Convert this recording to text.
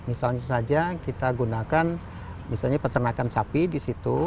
misalnya saja kita gunakan misalnya peternakan sapi di situ